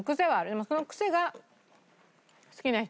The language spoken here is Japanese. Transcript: でもそのクセが好きな人は。